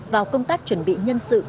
vào công tác chuẩn bị nhân sự